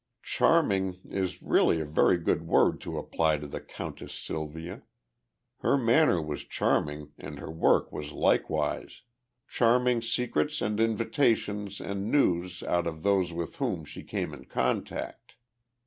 "Charming" is really a very good word to apply to the Countess Sylvia. Her manner was charming and her work was likewise. Charming secrets and invitations and news out of those with whom she came in contact.